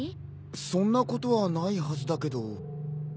そんなことはないはずだけど。